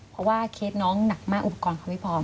เพราะว่าเคสน้องหนักมากอุปกรณ์เขาไม่พร้อม